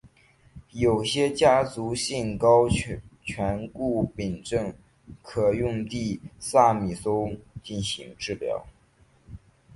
有些家族性高醛固酮症可用地塞米松进行治疗。